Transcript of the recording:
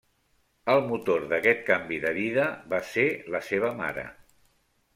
El motor d'aquest canvi de vida va ser la seva mare.